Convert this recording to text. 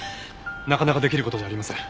なかなかできる事じゃありません。